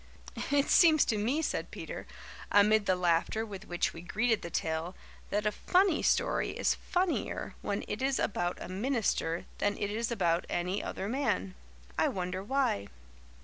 "It seems to me," said Peter, amid the laughter with which we greeted the tale, "that a funny story is funnier when it is about a minister than it is about any other man. I wonder why."